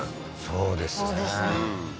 そうですね